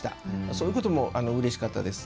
そういうこともうれしかったです。